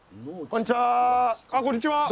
あこんにちは。